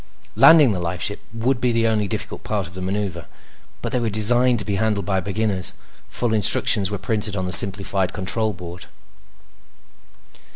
Landing the lifeship would be the only difficult part of the maneuver, but they were designed to be handled by beginners. Full instructions were printed on the simplified control board.